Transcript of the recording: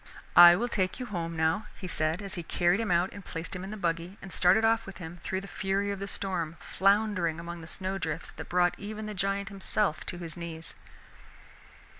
"I will take you home, now," he said as he carried him out and placed him in his buggy, and started off with him through the fury of the storm, floundering among the snow drifts that brought even the giant himself to his knees.